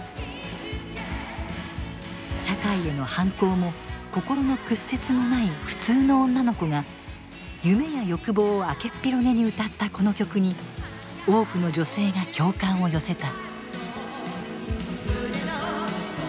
社会への反抗も心の屈折もない普通の女の子が夢や欲望を開けっ広げに歌ったこの曲に多くの女性が共感を寄せた。